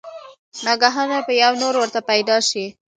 ناګهانه به يو نُور ورته پېدا شي